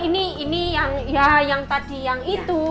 ini ini yang ya yang tadi yang itu